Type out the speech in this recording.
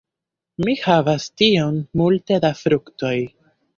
Mi havas tiom multe da fruktoj.